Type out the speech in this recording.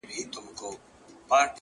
• یو او مهم علت یې دا دی ,